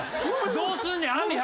どうすんねん網。